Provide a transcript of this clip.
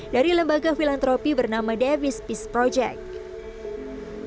dari lembaga filantropi bernama davis peace project